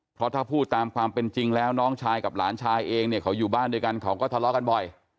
เพราะถ้าพูดตามความเป็นจริงแล้วน้องชายกับหลานชายเองเนี่ยเขาอยู่บ้านด้วยกันเขาก็ทะเลาะกันบ่อย